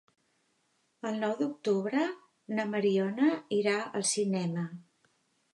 El nou d'octubre na Mariona irà al cinema.